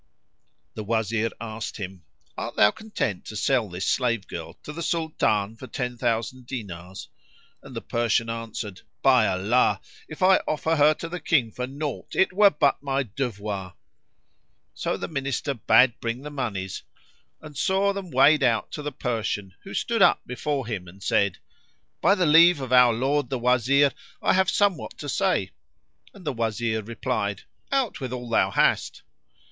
[FN#9]" The Wazir asked him, "Art thou content to sell this slave girl to the Sultan for ten thousand dinars?"; and the Persian answered, "By Allah, if I offer her to the King for naught, it were but my devoir."[FN#10] So the Minister bade bring the monies and saw them weighed out to the Persian, who stood up before him and said, "By the leave of our lord the Wazir, I have somewhat to say;" and the Wazir replied, "Out with all thou hast!"